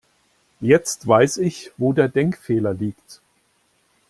Jetzt weiß ich, wo der Denkfehler liegt.